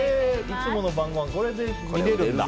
いつもの晩ごはんこれで見れるんだ。